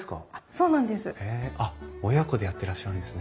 そうなんです。